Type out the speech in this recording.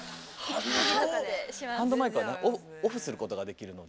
ハンドマイクはオフすることができるので。